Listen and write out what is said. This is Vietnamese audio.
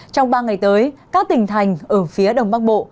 trong ba ngày tới các tỉnh thành ở phía đông bắc bộ